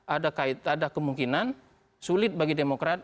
ada kemungkinan sulit bagi demokrat